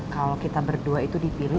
kalau kita berdua itu dipilih